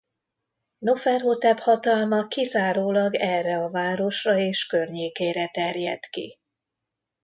Noferhotep hatalma kizárólag erre a városra és környékére terjedt ki.